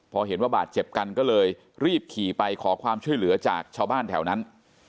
พอเห็นว่าบาดเจ็บกันก็เลยรีบขี่ไปขอความช่วยเหลือจากชาวบ้านแถวนั้น